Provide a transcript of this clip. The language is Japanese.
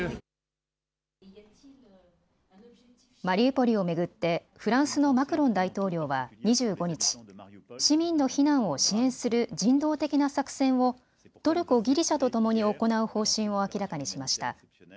マリウポリを巡ってフランスのマクロン大統領は２５日、市民の避難を支援する人道的な作戦をトルコ、ギリシャとともに行う方針を明らかにしました。